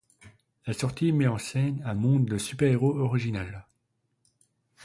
La série met en scène un monde de super-héros original.